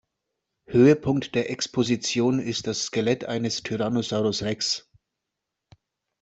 Höhepunkt der Exposition ist das Skelett eines Tyrannosaurus Rex.